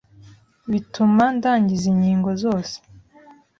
bituma ndangiza inkingo zose.